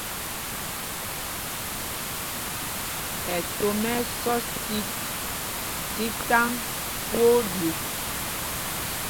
Ɛtom ɛ́ ɛ́ sɔs otit tí taŋ twóó ɗyûk.